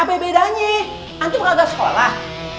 apa bedanya antum gak ada sekolah